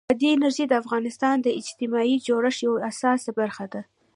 بادي انرژي د افغانستان د اجتماعي جوړښت یوه اساسي برخه ده.